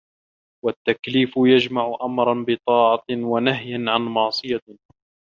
وَالتَّكْلِيفُ يَجْمَعُ أَمْرًا بِطَاعَةٍ وَنَهْيًا عَنْ مَعْصِيَةٍ